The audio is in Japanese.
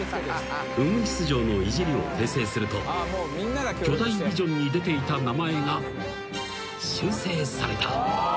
［うぐいす嬢のいじりを訂正すると巨大ビジョンに出ていた名前が修正された］